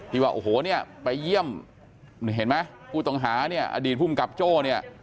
ว่าโอ้โหเนี่ยไปเยี่ยมเห็นไหมผู้ต้องหาเนี่ยอดีตภูมิกับโจ้เนี่ย